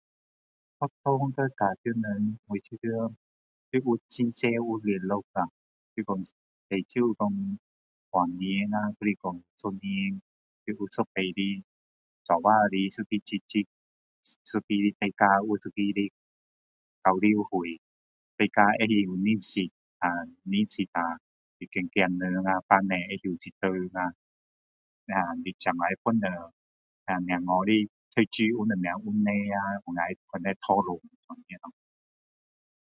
校方和家长们我觉得都要很常有联络啦。比如说至少说半年啦，还是说一年，都有一次的在一起聚聚。一个大家的，有一个的交流会。大家可以认识啊，认识啦，仔仔们，父母们知道是谁啦。你才能够帮助小孩的读书上有什么问题啊，才能够讨论这样咯。